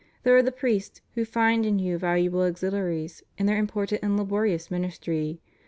There are the priests who find in you valu able auxiliaries in their important and laborious ministry.